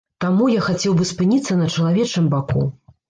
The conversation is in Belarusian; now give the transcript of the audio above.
Таму я хацеў бы спыніцца на чалавечым баку.